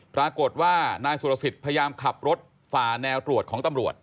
ปรากฏว่านายสุรสิทธิ์พยายามขับรถฝ่าแนวตรวจของตำรวจ